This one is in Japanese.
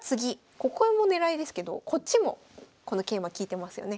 ここも狙いですけどこっちもこの桂馬利いてますよね。